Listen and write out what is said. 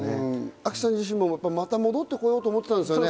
あきさん自身もまた戻ってこようと思ってたんだよね。